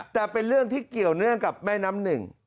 แต่เป็นเรื่องที่เกี่ยวเนื่องกับแม่น้ำหนึ่ง